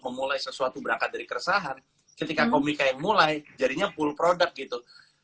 memulai sesuatu berangkat dari keresahan ketika komika yang mulai jadinya full product gitu